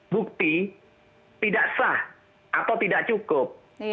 bukti tidak sah atau tidak cukup